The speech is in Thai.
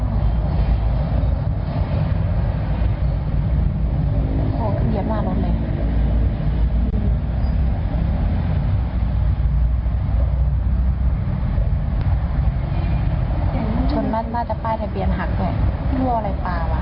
โอ้โหเขาเหยียบมากเลย